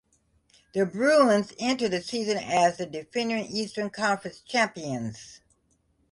The Bruins entered the season as the defending Eastern Conference champions.